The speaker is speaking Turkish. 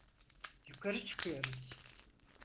Yukarı çıkıyoruz.